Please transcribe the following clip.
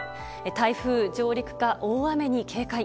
台風上陸か、大雨に警戒。